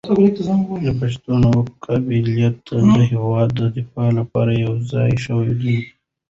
د پښتنو قبایل تل د هېواد د دفاع لپاره يو ځای شوي دي.